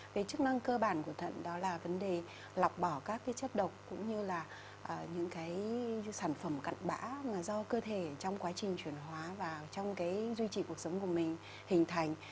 về chức năng cơ bản của thận đó là vấn đề lọc bỏ các chất độc cũng như là những sản phẩm cặn bã do cơ thể trong quá trình chuyển hóa và trong duy trì cuộc sống của mình hình thành